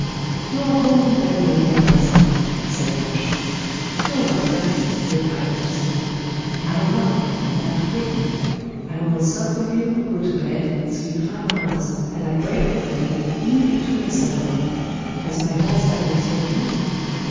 "You are home, then, my dear master?" said Planchet. "No, my friend," replied the musketeer; "I am off, and that quickly. I will sup with you, go to bed, sleep five hours, and at break of day leap into my saddle. Has my horse had an extra feed?"